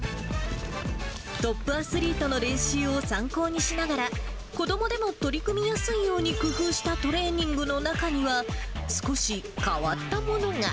トップアスリートの練習を参考にしながら、子どもでも取り組みやすいように工夫したトレーニングの中には、少し変わったものが。